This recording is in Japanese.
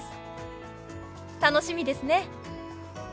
楽しみですね。